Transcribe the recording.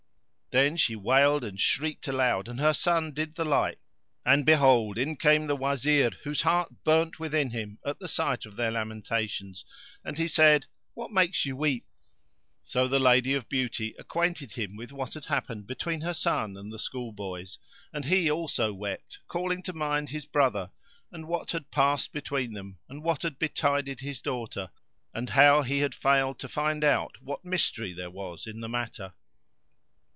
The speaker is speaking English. Then she wailed and shrieked aloud and her son did the like; and behold, in came the Wazir whose heart burnt within him at the sight of their lamentations, and he said, "What makes you weep?" So the Lady of Beauty acquainted him with what had happened between her son and the school boys; and he also wept, calling to mind his brother and what had past between them and what had betided his daughter and how he had failed to find out what mystery there was in the matter.